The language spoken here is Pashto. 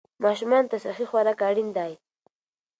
ماشومان ته صحي خوراک اړین دی.